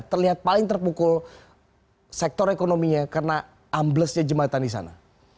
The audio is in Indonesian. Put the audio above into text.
terlihat paling terpukul sektor ekonominya karena amblesnya jembatan di sana